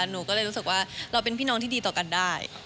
หนูก็เลยรู้สึกว่าเราเป็นพี่น้องที่ดีต่อกันได้